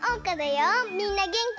みんなげんき？